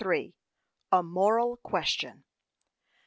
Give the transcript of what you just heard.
A MORAL QUESTION.